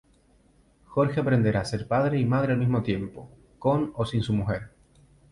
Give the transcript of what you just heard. Jorge aprenderá ser padre y madre al mismo tiempo, con o sin su mujer.